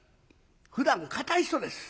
ふだん堅い人です。